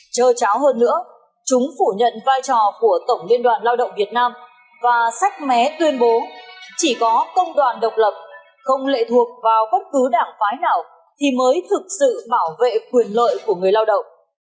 trơ hơn nữa chúng phủ nhận vai trò của tổng liên đoàn lao động việt nam và sách mé tuyên bố chỉ có công đoàn độc lập không lệ thuộc vào bất cứ đảng phái nào thì mới thực sự bảo vệ quyền lợi của người lao động